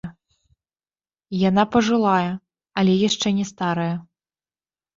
Яна пажылая, але яшчэ не старая.